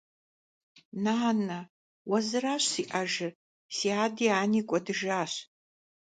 Нанэ… Уэ зыращ сиӀэжыр, си ади ани кӀуэдыжащ.